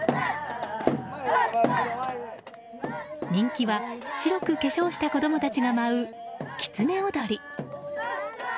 人気は白く化粧した子供たちが舞うキツネ踊り。